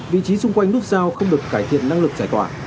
vị trí xung quanh nút giao không được cải thiện năng lực giải tỏa